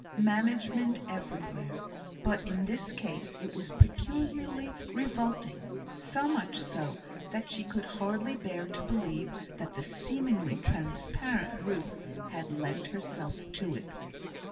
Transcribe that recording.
Management everywhere! but in this case it was peculiarly revolting; so much so, that she could hardly bear to believe that the seemingly transparent Ruth had lent herself to it.